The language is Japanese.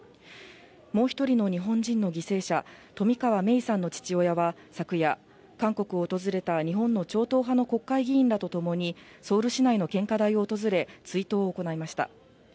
もう１人の日本人の犠牲者、冨川芽生さんの父親は昨夜、韓国を訪れた日本の超党派の国会議員らとともにソウル市内の献花台を訪れ、追悼を行いました。